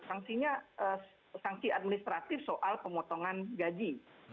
sangsinya sangsi administratif soal pemotongan gaji